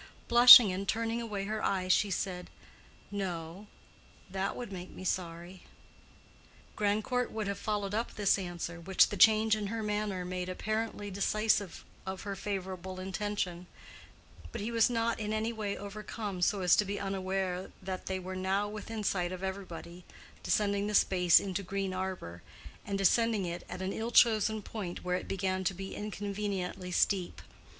Blushing and turning away her eyes, she said, "No, that would make me sorry." Grandcourt would have followed up this answer, which the change in her manner made apparently decisive of her favorable intention; but he was not in any way overcome so as to be unaware that they were now, within sight of everybody, descending the space into Green Arbor, and descending it at an ill chosen point where it began to be inconveniently steep.